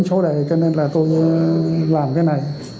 cho nên là tôi làm cái này